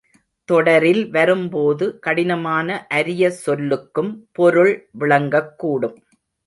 தொடரில் வரும் போது, கடினமான அரிய சொல்லுக்கும் பொருள் விளங்கக் கூடும்.